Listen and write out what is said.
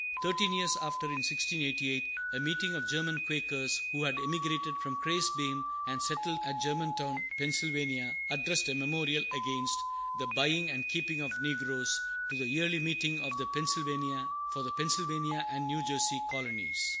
Thirteen years after, in 1688, a meeting of German Quakers, who had emigrated from Kriesbeim, and settled at Germantown, Pennsylvania, addressed a memorial against "the buying and keeping of negroes" to the Yearly Meeting for the Pennsylvania and New Jersey colonies.